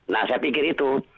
nah saya pikir itu